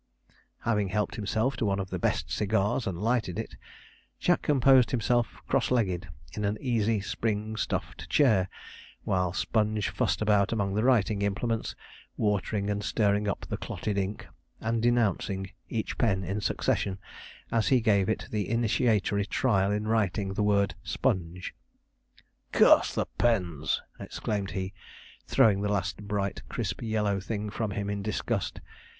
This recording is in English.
Having helped himself to one of the best cigars, and lighted it, Jack composed himself cross legged in an easy, spring, stuffed chair, while Sponge fussed about among the writing implements, watering and stirring up the clotted ink, and denouncing each pen in succession, as he gave it the initiatory trial in writing the word 'Sponge.' 'Curse the pens!' exclaimed he, throwing the last bright crisp yellow thing from him in disgust.